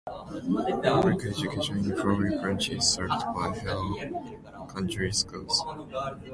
Public education in Flowery Branch is served by Hall County Schools.